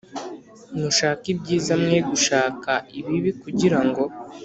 Mushake ibyiza mwe gushaka ibibi kugira ngo